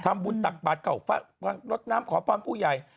ทำบุญตักปัดเก่าลดน้ำขอพรรณผู้ใหญ่